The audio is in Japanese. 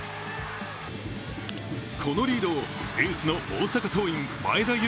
このリードをエースの大阪桐蔭・前田悠